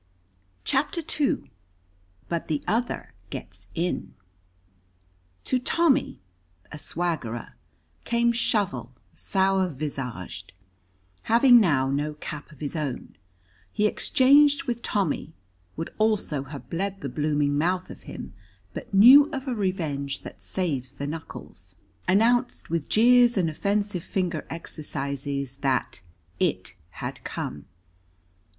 CHAPTER II BUT THE OTHER GETS IN To Tommy, a swaggerer, came Shovel sour visaged; having now no cap of his own, he exchanged with Tommy, would also have bled the blooming mouth of him, but knew of a revenge that saves the knuckles: announced, with jeers and offensive finger exercise, that "it" had come.